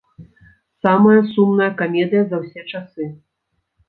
Самая сумная камедыя за ўсе часы!